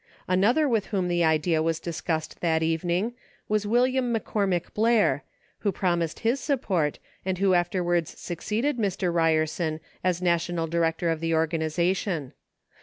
Another with whom the idea was discussed that evening was William McCormick Blair, who promised his support, and who afterwards succeeded Mr. Ryer son as national director of the organization.